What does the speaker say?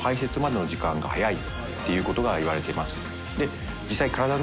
ていうことがいわれています。